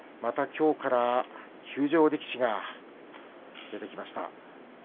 きょうから休場力士が出ました。